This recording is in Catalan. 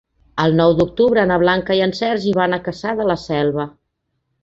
El nou d'octubre na Blanca i en Sergi van a Cassà de la Selva.